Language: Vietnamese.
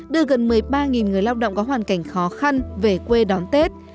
đưa gần một mươi ba người lao động có hoàn cảnh khó khăn về quê đón tết